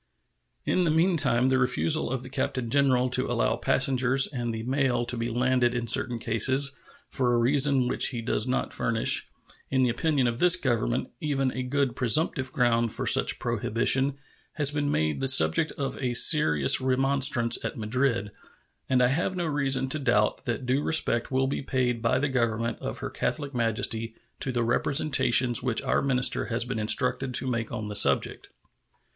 In the meantime the refusal of the Captain Generalto allow passengers and the mail to be landed in certain cases, for a reason which does not furnish, in the opinion of this Government, even a good presumptive ground for such prohibition, has been made the subject of a serious remonstrance at Madrid, and I have no reason to doubt that due respect will be paid by the Government of Her Catholic Majesty to the representations which our minister has been instructed to make on the subject.